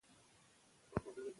هغه وايي خوله کول طبیعي فعالیت دی.